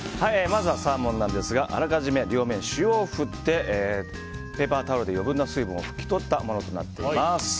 まずはサーモンですがあらかじめ両面、塩を振ってペーパータオルで余分な水分を拭き取ったものとなっています。